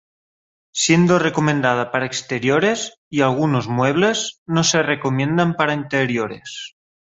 Siendo recomendado para exteriores, y algunos muebles, no se recomienda para interiores.